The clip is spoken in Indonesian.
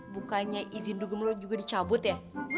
bukannya izin dugem lo juga dicabut ya